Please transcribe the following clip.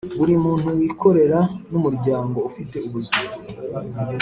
Buri muntu wikorera n umuryango ufite ubuzima